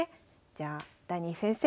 じゃあダニー先生